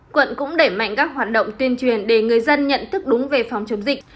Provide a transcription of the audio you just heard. quận cũng đẩy mạnh các hoạt động tuyên truyền để người dân nhận thức đúng về phòng chống dịch